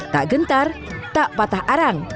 tak gentar tak patah arang